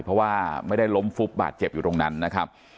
เพราะว่าไม่ได้ล้มฟุบบาดเจ็บอยู่ตรงนั้นนะครับ